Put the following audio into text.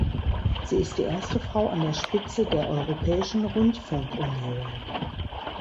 Sie ist die erste Frau an der Spitze der Europäischen Rundfunkunion.